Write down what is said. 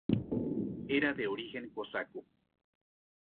Era de origen cosaco.